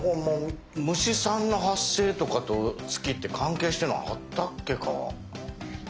虫さんの発生とかと月って関係してるのあったっけか。